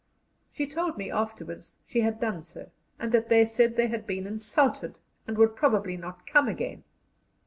She told me afterwards she had done so, and that they said they had been insulted, and would probably not come again.